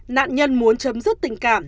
nạn nhân muốn chấm dứt tình cảm